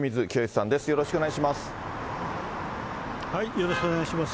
よろしくお願いします。